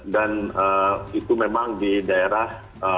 dan itu memang di daerah